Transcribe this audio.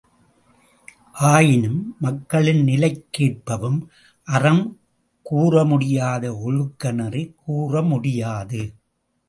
ஆயினும் மக்களின் நிலைக் கேற்பவும் அறம் கூறமுடியாது ஒழுக்க நெறி கூறமுடியாது.